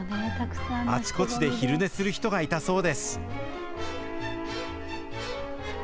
あちこちで昼寝する人がいたそうです。